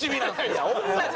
いや同じ！